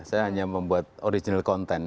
saya hanya membuat original content